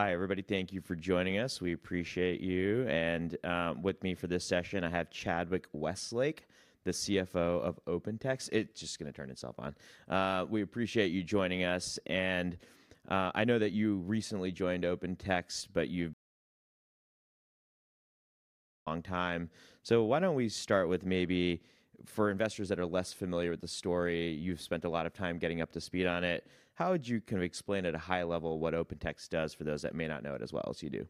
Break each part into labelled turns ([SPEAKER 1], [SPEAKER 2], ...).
[SPEAKER 1] Hi, everybody. Thank you for joining us. We appreciate you. With me for this session, I have Chadwick Westlake, the CFO of OpenText. It's just going to turn itself on. We appreciate you joining us. I know that you recently joined OpenText, but you've been there a long time. Why don't we start with maybe, for investors that are less familiar with the story, you've spent a lot of time getting up to speed on it. How would you kind of explain at a high level what OpenText does for those that may not know it as well as you do?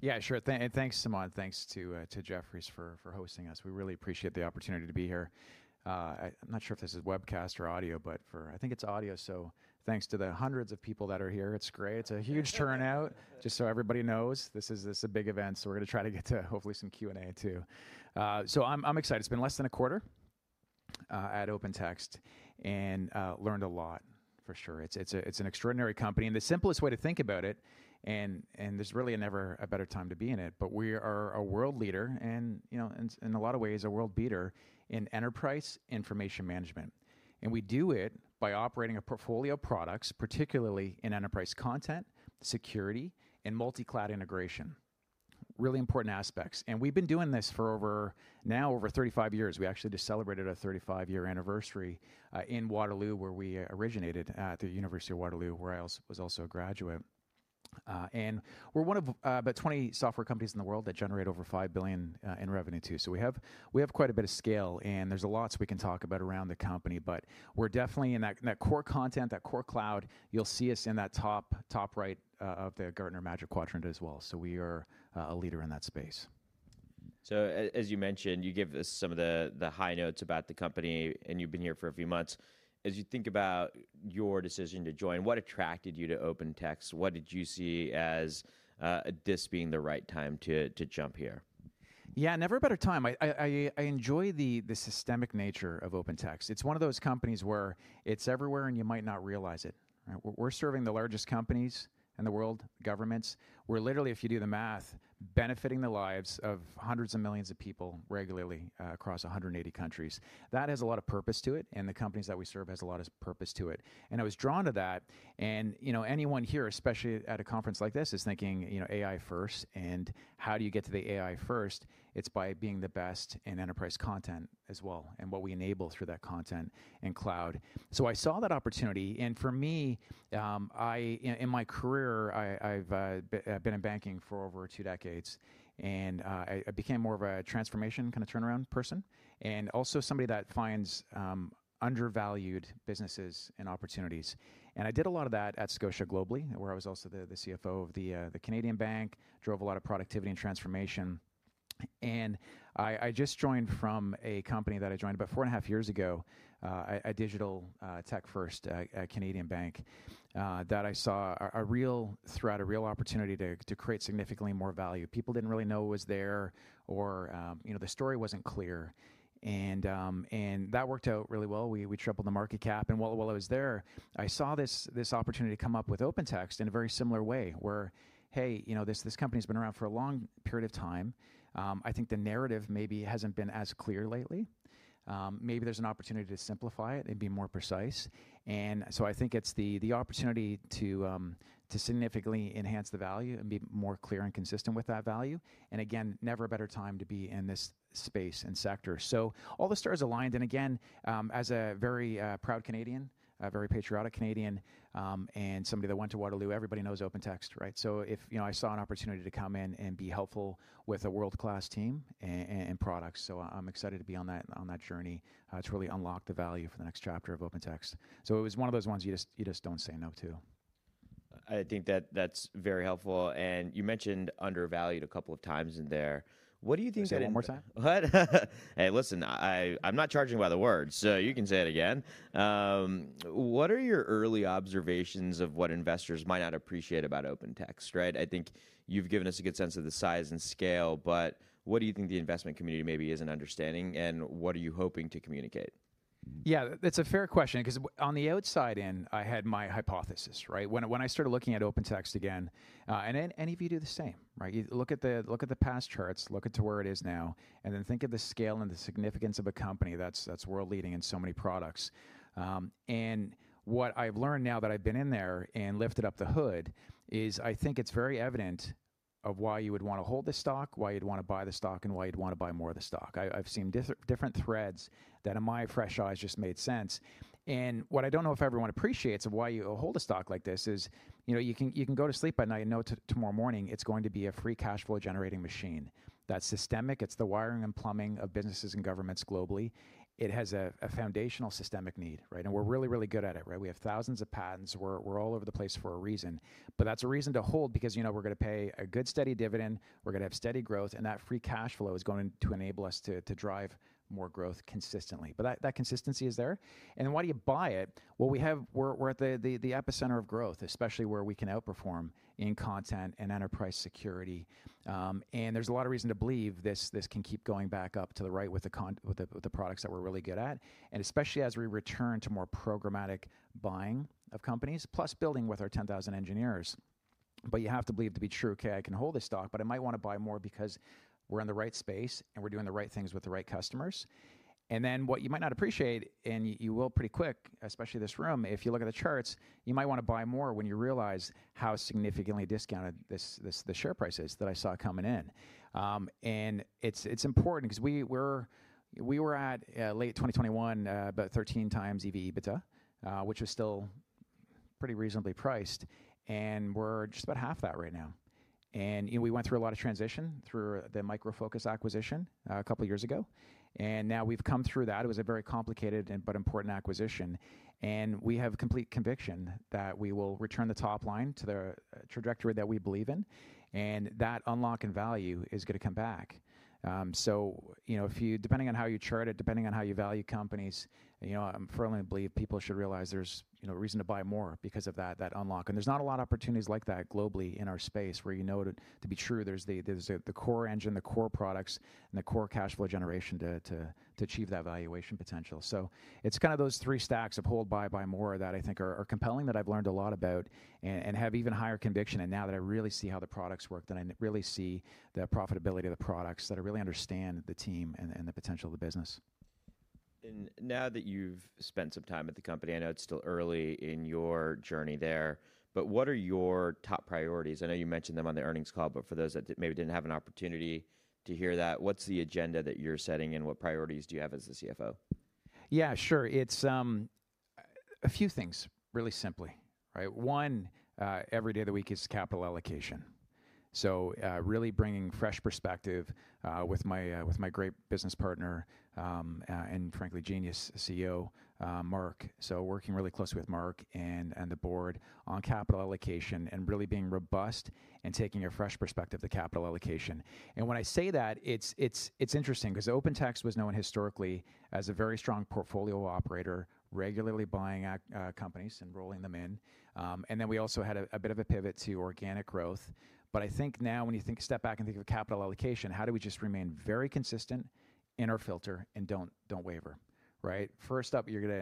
[SPEAKER 2] Yeah, sure. Thanks, Simon. Thanks to Jefferies for hosting us. We really appreciate the opportunity to be here. I'm not sure if this is webcast or audio, but I think it's audio. Thanks to the hundreds of people that are here. It's great. It's a huge turnout. Just so everybody knows, this is a big event. We're going to try to get to hopefully some Q&A too. I'm excited. It's been less than a quarter at OpenText and learned a lot for sure. It's an extraordinary company. The simplest way to think about it, and there's really never a better time to be in it, but we are a world leader and, you know, in a lot of ways a world beater in enterprise information management. We do it by operating a portfolio of products, particularly in enterprise content, security, and multi-cloud integration. Really important aspects. We have been doing this for now over 35 years. We actually just celebrated our 35-year anniversary in Waterloo, where we originated at the University of Waterloo, where I was also a graduate. We are one of about 20 software companies in the world that generate over $5 billion in revenue too. We have quite a bit of scale and there is a lot we can talk about around the company, but we are definitely in that core content, that core cloud. You will see us in that top right of the Gartner Magic Quadrant as well. We are a leader in that space.
[SPEAKER 1] As you mentioned, you give us some of the high notes about the company and you've been here for a few months. As you think about your decision to join, what attracted you to OpenText? What did you see as this being the right time to jump here?
[SPEAKER 2] Yeah, never a better time. I enjoy the systemic nature of OpenText. It's one of those companies where it's everywhere and you might not realize it. We're serving the largest companies in the world, governments. We're literally, if you do the math, benefiting the lives of hundreds of millions of people regularly across 180 countries. That has a lot of purpose to it. The companies that we serve have a lot of purpose to it. I was drawn to that. You know, anyone here, especially at a conference like this, is thinking, you know, AI first and how do you get to the AI first? It's by being the best in enterprise content as well and what we enable through that content and cloud. I saw that opportunity and for me, I, in my career, I've been in banking for over two decades and I became more of a transformation kind of turnaround person and also somebody that finds undervalued businesses and opportunities. I did a lot of that at Scotiabank globally, where I was also the CFO of the Canadian Bank, drove a lot of productivity and transformation. I just joined from a company that I joined about four and a half years ago, a digital, tech-first, Canadian bank, that I saw a real threat, a real opportunity to create significantly more value. People did not really know it was there or, you know, the story was not clear. That worked out really well. We tripled the market cap. While I was there, I saw this opportunity come up with OpenText in a very similar way where, hey, you know, this company has been around for a long period of time. I think the narrative maybe hasn't been as clear lately. Maybe there's an opportunity to simplify it and be more precise. I think it's the opportunity to significantly enhance the value and be more clear and consistent with that value. Never a better time to be in this space and sector. All the stars aligned. As a very proud Canadian, a very patriotic Canadian, and somebody that went to Waterloo, everybody knows OpenText, right? If, you know, I saw an opportunity to come in and be helpful with a world-class team and products. I'm excited to be on that journey to really unlock the value for the next chapter of OpenText. It was one of those ones you just don't say no to.
[SPEAKER 1] I think that that's very helpful. You mentioned undervalued a couple of times in there. What do you think?
[SPEAKER 2] Say that one more time.
[SPEAKER 1] Hey, listen, I'm not charging by the word, so you can say it again. What are your early observations of what investors might not appreciate about OpenText, right? I think you've given us a good sense of the size and scale, but what do you think the investment community maybe isn't understanding and what are you hoping to communicate?
[SPEAKER 2] Yeah, that's a fair question because on the outside in, I had my hypothesis, right? When I started looking at OpenText again, and then any of you do the same, right? You look at the past charts, look at where it is now, and then think of the scale and the significance of a company that's world leading in so many products. What I've learned now that I've been in there and lifted up the hood is I think it's very evident of why you would want to hold the stock, why you'd want to buy the stock, and why you'd want to buy more of the stock. I've seen different threads that in my fresh eyes just made sense. What I do not know if everyone appreciates of why you hold a stock like this is, you know, you can go to sleep at night and know tomorrow morning it is going to be a free cash flow generating machine. That is systemic. It is the wiring and plumbing of businesses and governments globally. It has a foundational systemic need, right? We are really, really good at it, right? We have thousands of patents. We are all over the place for a reason, but that is a reason to hold because, you know, we are going to pay a good steady dividend. We are going to have steady growth, and that free cash flow is going to enable us to drive more growth consistently. That consistency is there. Why do you buy it? We are at the epicenter of growth, especially where we can outperform in content and enterprise security. There is a lot of reason to believe this can keep going up to the right with the products that we are really good at, especially as we return to more programmatic buying of companies, plus building with our 10,000 engineers. You have to believe to be true, okay, I can hold this stock, but I might want to buy more because we are in the right space and we are doing the right things with the right customers. What you might not appreciate, and you will pretty quick, especially this room, if you look at the charts, you might want to buy more when you realize how significantly discounted the share price is that I saw coming in. It's important because we were at, late 2021, about 13x EV/EBITDA, which was still pretty reasonably priced, and we're just about half that right now. You know, we went through a lot of transition through the Micro Focus acquisition a couple of years ago, and now we've come through that. It was a very complicated and important acquisition, and we have complete conviction that we will return the top line to the trajectory that we believe in, and that unlock in value is going to come back. You know, depending on how you chart it, depending on how you value companies, I firmly believe people should realize there's a reason to buy more because of that unlock. There are not a lot of opportunities like that globally in our space where, you know, to be true, there is the core engine, the core products, and the core cash flow generation to achieve that valuation potential. It is kind of those three stacks of hold, buy, buy more that I think are compelling that I have learned a lot about and have even higher conviction. Now that I really see how the products work, I really see the profitability of the products, I really understand the team and the potential of the business.
[SPEAKER 1] Now that you've spent some time at the company, I know it's still early in your journey there, but what are your top priorities? I know you mentioned them on the earnings call, but for those that maybe didn't have an opportunity to hear that, what's the agenda that you're setting and what priorities do you have as the CFO?
[SPEAKER 2] Yeah, sure. It's a few things really simply, right? One, every day of the week is capital allocation. Really bringing fresh perspective, with my great business partner, and frankly genius CEO, Mark. Working really closely with Mark and the board on capital allocation and really being robust and taking a fresh perspective of the capital allocation. When I say that, it's interesting because OpenText was known historically as a very strong portfolio operator, regularly buying companies and rolling them in. We also had a bit of a pivot to organic growth. I think now when you step back and think of capital allocation, how do we just remain very consistent in our filter and don't waver, right? First up, we're going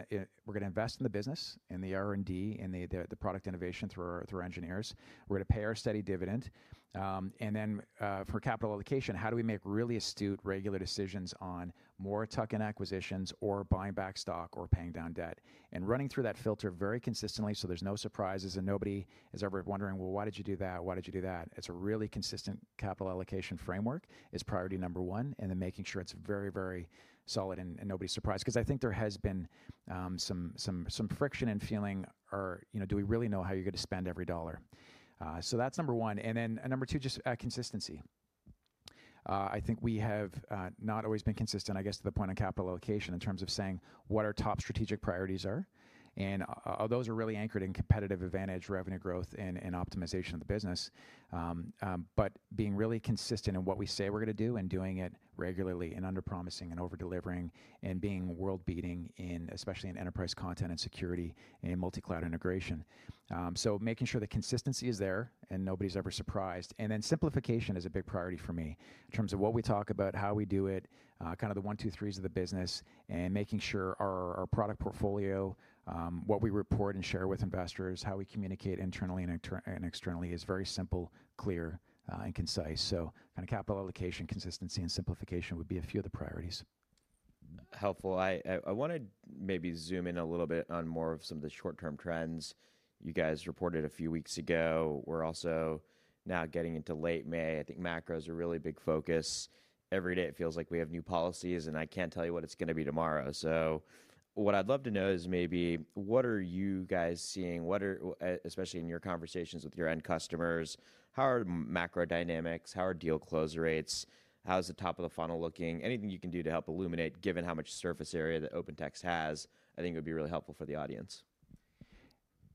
[SPEAKER 2] to invest in the business and the R&D and the product innovation through our engineers. We're going to pay our steady dividend, and then, for capital allocation, how do we make really astute regular decisions on more tuck-in acquisitions or buying back stock or paying down debt and running through that filter very consistently so there's no surprises and nobody is ever wondering, why did you do that? Why did you do that? It's a really consistent capital allocation framework is priority number one and then making sure it's very, very solid and nobody's surprised because I think there has been some friction in feeling or, you know, do we really know how you're going to spend every dollar? So that's number one. And then number two, just consistency. I think we have not always been consistent, I guess, to the point on capital allocation in terms of saying what our top strategic priorities are. Those are really anchored in competitive advantage, revenue growth, and optimization of the business. Being really consistent in what we say we're going to do and doing it regularly and under-promising and over-delivering and being world-beating in, especially in enterprise content and security and multi-cloud integration. Making sure that consistency is there and nobody's ever surprised. Simplification is a big priority for me in terms of what we talk about, how we do it, kind of the one, two, threes of the business and making sure our product portfolio, what we report and share with investors, how we communicate internally and externally is very simple, clear, and concise. Kind of capital allocation, consistency, and simplification would be a few of the priorities.
[SPEAKER 1] Helpful. I want to maybe zoom in a little bit on more of some of the short-term trends. You guys reported a few weeks ago. We're also now getting into late May. I think macro is a really big focus. Every day it feels like we have new policies and I can't tell you what it's going to be tomorrow. What I'd love to know is maybe what are you guys seeing? What are, especially in your conversations with your end customers, how are macro dynamics, how are deal close rates, how is the top of the funnel looking? Anything you can do to help illuminate given how much surface area that OpenText has, I think it would be really helpful for the audience.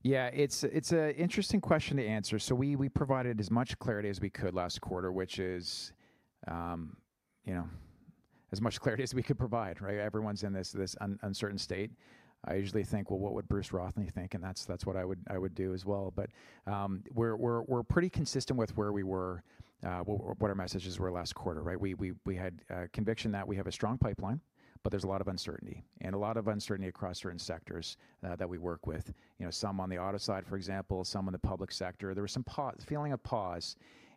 [SPEAKER 2] Yeah, it's an interesting question to answer. We provided as much clarity as we could last quarter, which is, you know, as much clarity as we could provide, right? Everyone's in this uncertain state. I usually think, well, what would Bruce Rothney think? That's what I would do as well. We're pretty consistent with where we were, what our messages were last quarter, right? We had conviction that we have a strong pipeline, but there's a lot of uncertainty and a lot of uncertainty across certain sectors that we work with. You know, some on the auto side, for example, some in the public sector, there was some pause, feeling of pause.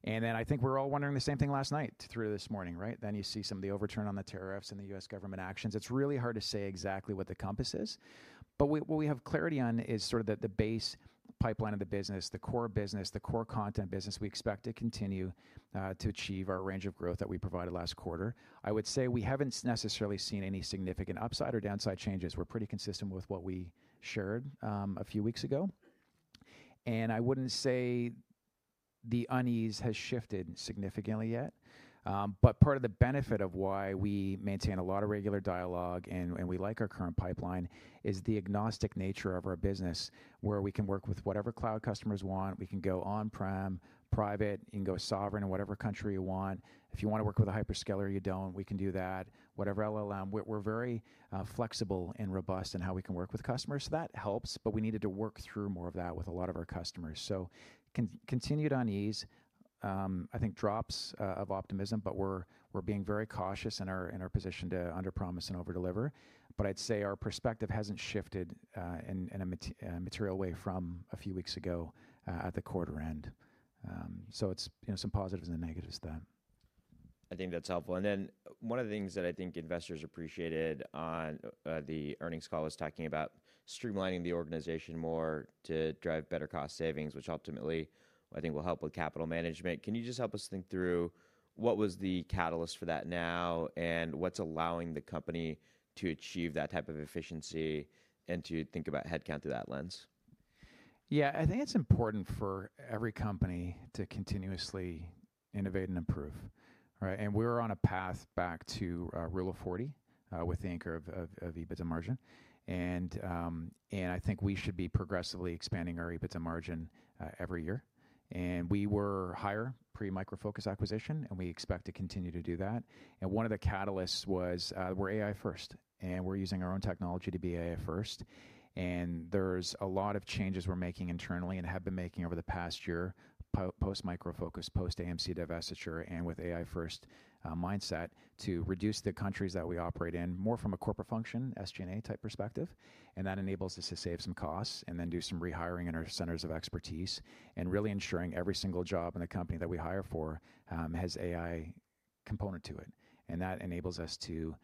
[SPEAKER 2] I think we're all wondering the same thing last night through this morning, right? You see some of the overturn on the tariffs and the U.S. government actions. It's really hard to say exactly what the compass is, but what we have clarity on is sort of the base pipeline of the business, the core business, the core content business. We expect to continue to achieve our range of growth that we provided last quarter. I would say we haven't necessarily seen any significant upside or downside changes. We're pretty consistent with what we shared a few weeks ago. I wouldn't say the unease has shifted significantly yet. Part of the benefit of why we maintain a lot of regular dialogue and we like our current pipeline is the agnostic nature of our business where we can work with whatever cloud customers want. We can go on-prem, private, you can go sovereign in whatever country you want. If you want to work with a hyperscaler, you don't, we can do that. Whatever LLM, we're very flexible and robust in how we can work with customers. That helps, but we needed to work through more of that with a lot of our customers. Continued unease, I think drops of optimism, but we're being very cautious in our position to under-promise and over-deliver. I'd say our perspective hasn't shifted in a material way from a few weeks ago, at the quarter end. It is, you know, some positives and the negatives there.
[SPEAKER 1] I think that's helpful. One of the things that I think investors appreciated on the earnings call was talking about streamlining the organization more to drive better cost savings, which ultimately I think will help with capital management. Can you just help us think through what was the catalyst for that now and what's allowing the company to achieve that type of efficiency and to think about headcount through that lens?
[SPEAKER 2] Yeah, I think it's important for every company to continuously innovate and improve, right? We're on a path back to Rule of 40, with the anchor of EBITDA margin. I think we should be progressively expanding our EBITDA margin every year. We were higher pre-Micro Focus acquisition, and we expect to continue to do that. One of the catalysts was we're AI first, and we're using our own technology to be AI first. There's a lot of changes we're making internally and have been making over the past year, post-Micro Focus, post-AMC divestiture, and with AI first mindset to reduce the countries that we operate in more from a corporate function, SG&A type perspective. That enables us to save some costs and then do some rehiring in our centers of expertise and really ensuring every single job in the company that we hire for has an AI component to it. That enables us to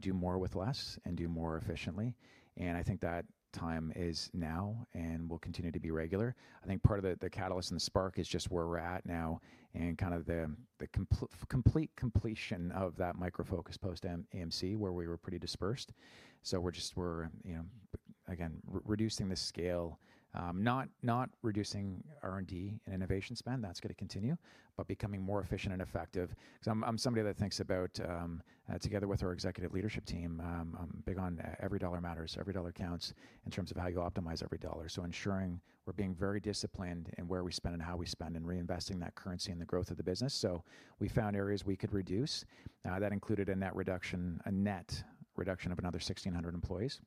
[SPEAKER 2] do more with less and do more efficiently. I think that time is now and will continue to be regular. I think part of the catalyst and the spark is just where we're at now and kind of the complete completion of that Micro Focus post-AMC where we were pretty dispersed. We're just, you know, again, reducing the scale, not reducing R&D and innovation spend. That's going to continue, but becoming more efficient and effective because I'm somebody that thinks about, together with our executive leadership team, I'm big on every dollar matters, every dollar counts in terms of how you optimize every dollar. Ensuring we're being very disciplined in where we spend and how we spend and reinvesting that currency in the growth of the business. We found areas we could reduce. That included in that reduction, a net reduction of another 1,600 employees.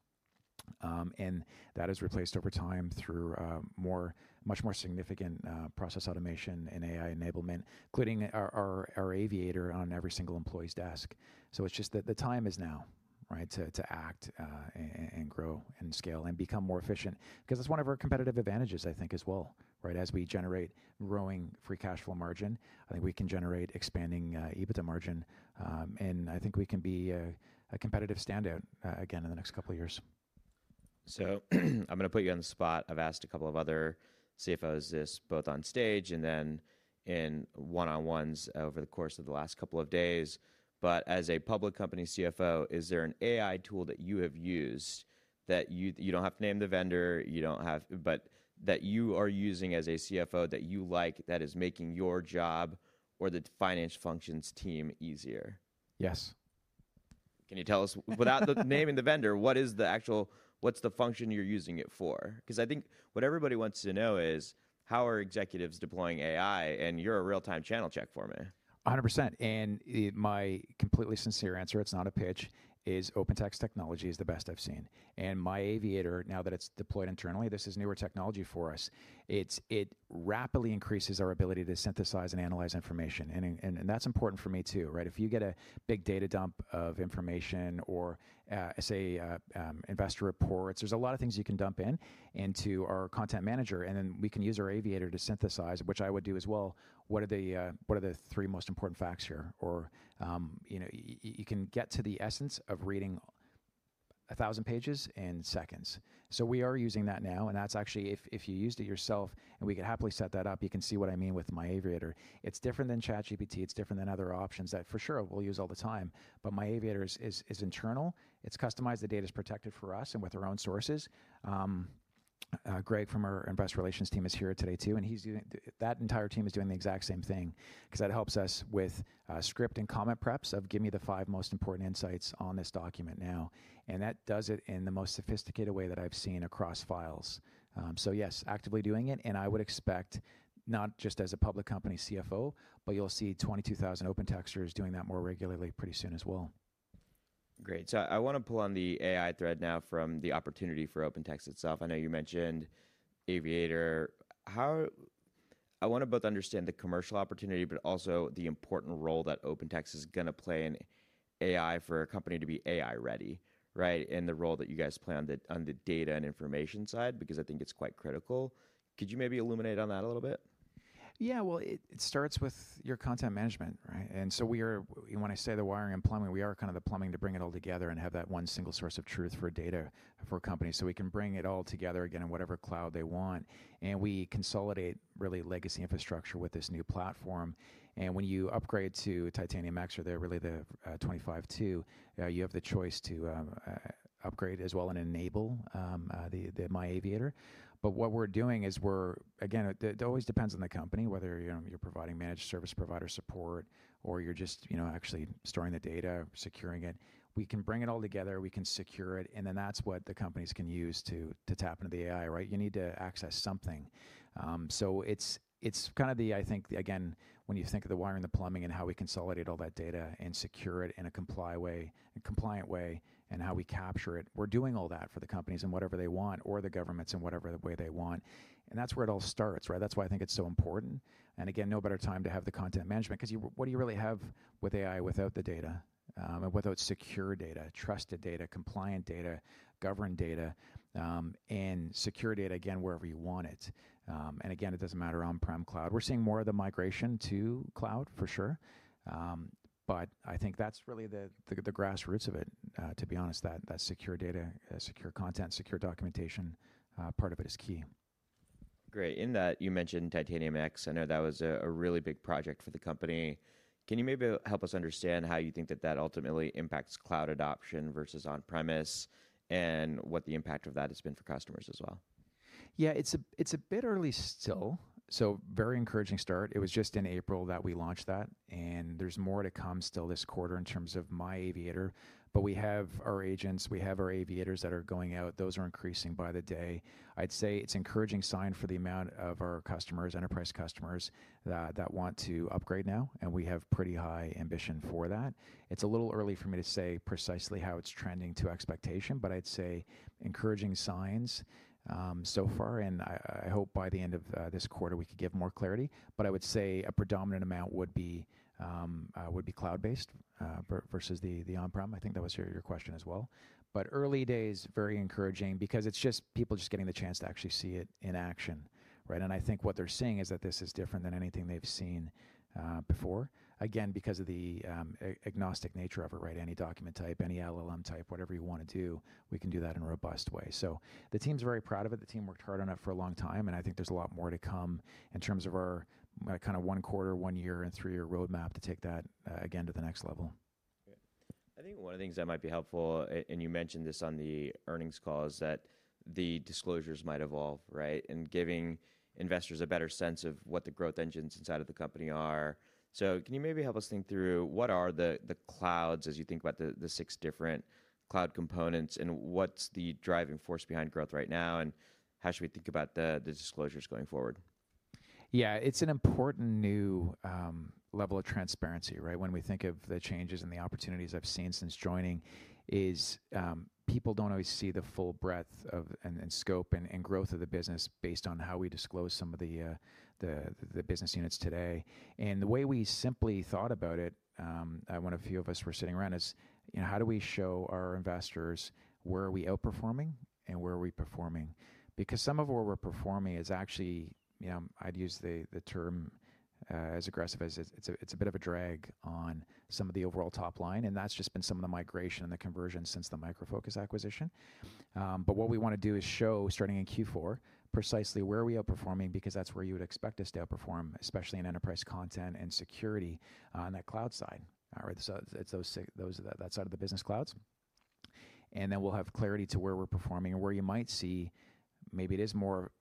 [SPEAKER 2] That has replaced over time through much more significant process automation and AI enablement, including our Aviator on every single employee's desk. It's just that the time is now, right, to act and grow and scale and become more efficient because it's one of our competitive advantages, I think as well, right? As we generate growing free cash flow margin, I think we can generate expanding EBITDA margin. I think we can be a competitive standout, again in the next couple of years.
[SPEAKER 1] I'm going to put you on the spot. I've asked a couple of other CFOs this both on stage and then in one-on-ones over the course of the last couple of days. As a public company CFO, is there an AI tool that you have used that you, you don't have to name the vendor, you don't have, but that you are using as a CFO that you like that is making your job or the financial functions team easier?
[SPEAKER 2] Yes.
[SPEAKER 1] Can you tell us, without naming the vendor, what is the actual, what's the function you're using it for? Because I think what everybody wants to know is how are executives deploying AI, and you're a real-time channel check for me?
[SPEAKER 2] 100%. My completely sincere answer, it's not a pitch, is OpenText technology is the best I've seen. MyAviator, now that it's deployed internally, this is newer technology for us. It rapidly increases our ability to synthesize and analyze information. That's important for me too, right? If you get a big data dump of information or, say, investor reports, there are a lot of things you can dump into our content manager, and then we can use our Aviator to synthesize, which I would do as well. What are the three most important facts here? Or, you know, you can get to the essence of reading a thousand pages in seconds. We are using that now. If you used it yourself, and we could happily set that up, you can see what I mean with MyAviator. It's different than ChatGPT. It's different than other options that for sure we'll use all the time. MyAviator is internal. It's customized. The data is protected for us and with our own sources. Greg from our investor relations team is here today too. That entire team is doing the exact same thing because that helps us with script and comment preps of give me the five most important insights on this document now. That does it in the most sophisticated way that I've seen across files. Yes, actively doing it. I would expect not just as a public company CFO, but you'll see 22,000 OpenText doing that more regularly pretty soon as well.
[SPEAKER 1] Great. I want to pull on the AI thread now from the opportunity for OpenText itself. I know you mentioned Aviator. I want to both understand the commercial opportunity, but also the important role that OpenText is going to play in AI for a company to be AI ready, right? The role that you guys play on the data and information side, because I think it's quite critical. Could you maybe illuminate on that a little bit?
[SPEAKER 2] Yeah, it starts with your content management, right? We are, when I say the wiring and plumbing, we are kind of the plumbing to bring it all together and have that one single source of truth for data for a company so we can bring it all together again in whatever cloud they want. We consolidate really legacy infrastructure with this new platform. When you upgrade to Titanium X or really the 25 to, you have the choice to upgrade as well and enable the MyAviator. What we are doing is, again, it always depends on the company, whether you are providing managed service provider support or you are just, you know, actually storing the data, securing it. We can bring it all together, we can secure it, and then that's what the companies can use to tap into the AI, right? You need to access something. So it's kind of the, I think, again, when you think of the wiring, the plumbing and how we consolidate all that data and secure it in a compliant way, and how we capture it, we're doing all that for the companies and whatever they want or the governments and whatever the way they want. That's where it all starts, right? That's why I think it's so important. Again, no better time to have the content management because you, what do you really have with AI without the data, and without secure data, trusted data, compliant data, governed data, and secure data again, wherever you want it. Again, it doesn't matter on-prem cloud. We're seeing more of the migration to cloud for sure. I think that's really the grassroots of it, to be honest, that secure data, secure content, secure documentation, part of it is key.
[SPEAKER 1] Great. In that, you mentioned Titanium X. I know that was a really big project for the company. Can you maybe help us understand how you think that that ultimately impacts cloud adoption versus on-premise and what the impact of that has been for customers as well?
[SPEAKER 2] Yeah, it's a bit early still. Very encouraging start. It was just in April that we launched that. There's more to come still this quarter in terms of MyAviator, but we have our agents, we have our aviators that are going out. Those are increasing by the day. I'd say it's an encouraging sign for the amount of our customers, enterprise customers that want to upgrade now. We have pretty high ambition for that. It's a little early for me to say precisely how it's trending to expectation, but I'd say encouraging signs so far. I hope by the end of this quarter, we could give more clarity. I would say a predominant amount would be cloud-based, versus the on-prem. I think that was your question as well. Early days, very encouraging because it is just people just getting the chance to actually see it in action, right? I think what they are seeing is that this is different than anything they have seen before. Again, because of the agnostic nature of it, right? Any document type, any LLM type, whatever you want to do, we can do that in a robust way. The team's very proud of it. The team worked hard on it for a long time. I think there is a lot more to come in terms of our kind of one quarter, one year, and three-year roadmap to take that, again, to the next level.
[SPEAKER 1] I think one of the things that might be helpful, and you mentioned this on the earnings call, is that the disclosures might evolve, right? Giving investors a better sense of what the growth engines inside of the company are. Can you maybe help us think through what are the clouds as you think about the six different cloud components and what's the driving force behind growth right now? How should we think about the disclosures going forward?
[SPEAKER 2] Yeah, it's an important new level of transparency, right? When we think of the changes and the opportunities I've seen since joining is, people don't always see the full breadth and scope and growth of the business based on how we disclose some of the business units today. The way we simply thought about it, a few of us were sitting around is, you know, how do we show our investors where are we outperforming and where are we performing? Because some of where we're performing is actually, you know, I'd use the term, as aggressive as it's, it's a bit of a drag on some of the overall top line. That's just been some of the migration and the conversion since the Micro Focus acquisition. What we want to do is show starting in Q4 precisely where we are performing because that's where you would expect us to outperform, especially in enterprise content and security, on that cloud side. All right. It's that side of the business, clouds. Then we'll have clarity to where we're performing and where you might see maybe it is more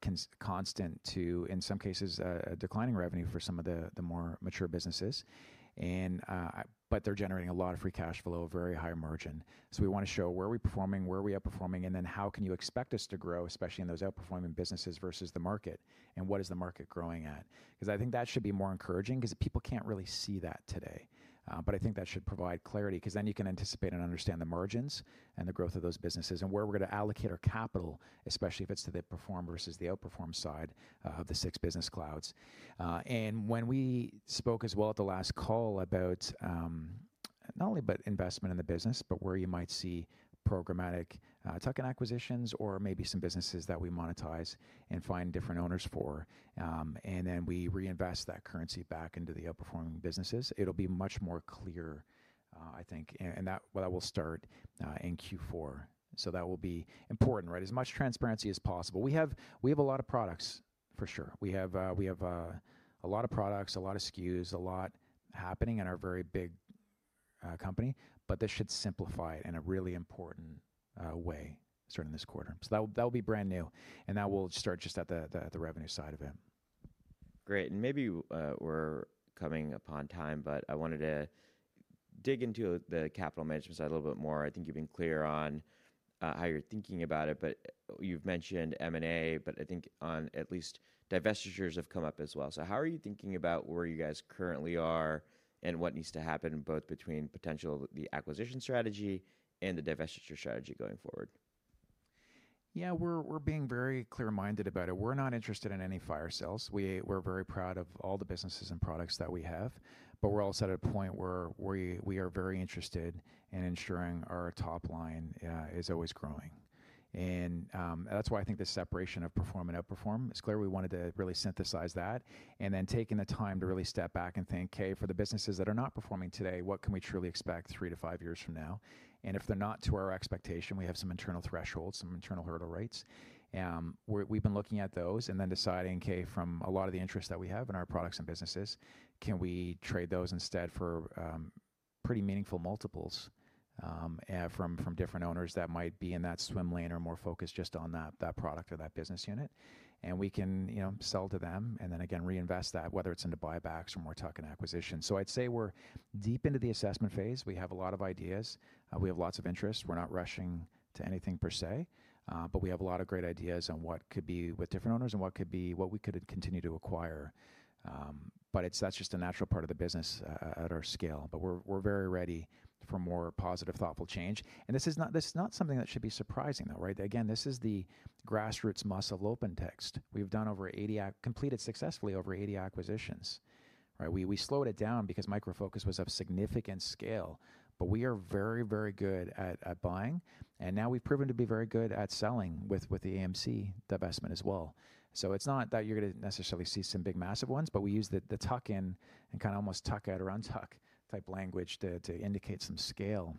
[SPEAKER 2] constant to, in some cases, declining revenue for some of the more mature businesses. They are generating a lot of free cash flow, very high margin. We want to show where are we performing, where are we outperforming, and then how can you expect us to grow, especially in those outperforming businesses versus the market and what is the market growing at? I think that should be more encouraging because people can't really see that today. I think that should provide clarity because then you can anticipate and understand the margins and the growth of those businesses and where we're going to allocate our capital, especially if it's to the perform versus the outperform side of the six business clouds. When we spoke as well at the last call about, not only investment in the business, but where you might see programmatic, token acquisitions or maybe some businesses that we monetize and find different owners for, and then we reinvest that currency back into the outperforming businesses, it'll be much more clear, I think. That will start in Q4. That will be important, right? As much transparency as possible. We have a lot of products for sure. We have a lot of products, a lot of SKUs, a lot happening in our very big company, but this should simplify it in a really important way starting this quarter. That will be brand new and that will start just at the revenue side of it.
[SPEAKER 1] Great. Maybe, we're coming upon time, but I wanted to dig into the capital management side a little bit more. I think you've been clear on how you're thinking about it, but you've mentioned M&A, but I think at least divestitures have come up as well. How are you thinking about where you guys currently are and what needs to happen both between the potential acquisition strategy and the divestiture strategy going forward?
[SPEAKER 2] Yeah, we're being very clear-minded about it. We're not interested in any fire sales. We're very proud of all the businesses and products that we have, but we're also at a point where we are very interested in ensuring our top line is always growing. That's why I think the separation of perform and outperform is clear. We wanted to really synthesize that and then taking the time to really step back and think, okay, for the businesses that are not performing today, what can we truly expect three to five years from now? If they're not to our expectation, we have some internal thresholds, some internal hurdle rates. We've been looking at those and then deciding, okay, from a lot of the interest that we have in our products and businesses, can we trade those instead for pretty meaningful multiples from different owners that might be in that swim lane or more focused just on that product or that business unit? We can, you know, sell to them and then again reinvest that, whether it's into buybacks or more token acquisitions. I'd say we're deep into the assessment phase. We have a lot of ideas. We have lots of interest. We're not rushing to anything per se, but we have a lot of great ideas on what could be with different owners and what could be what we could continue to acquire. It's, that's just a natural part of the business at our scale, but we're very ready for more positive, thoughtful change. This is not something that should be surprising though, right? Again, this is the grassroots muscle OpenText. We've done over 80, completed successfully over 80 acquisitions, right? We slowed it down because Micro Focus was of significant scale, but we are very, very good at buying. Now we've proven to be very good at selling with the AMC divestment as well. It's not that you're going to necessarily see some big massive ones, but we use the tuck in and kind of almost tuck out or untuck type language to indicate some scale.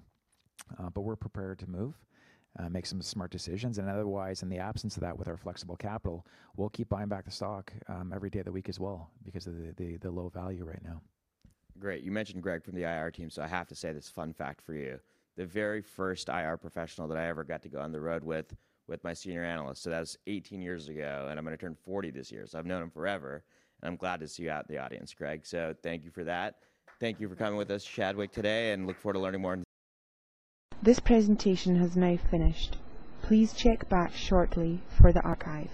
[SPEAKER 2] We're prepared to move, make some smart decisions. Otherwise, in the absence of that with our flexible capital, we'll keep buying back the stock every day of the week as well because of the low value right now.
[SPEAKER 1] Great. You mentioned Greg from the IR team. I have to say this fun fact for you. The very first IR professional that I ever got to go on the road with, with my senior analyst. That was 18 years ago and I am going to turn 40 this year. I have known him forever and I am glad to see you out in the audience, Greg. Thank you for that. Thank you for coming with us, Chadwick, today and look forward to learning more.
[SPEAKER 3] This presentation has now finished. Please check back shortly for the archive.